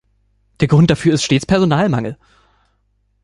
Der Grund dafür ist stets Personalmangel.